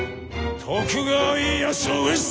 徳川家康を討つ！